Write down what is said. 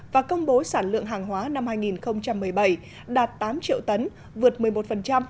và công bố sản lượng hàng hóa năm hai nghìn một mươi bảy đạt tám triệu tấn vượt một mươi một